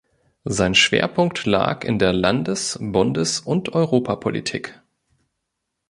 Sein Schwerpunkt lag in der Landes-, Bundes- und Europapolitik.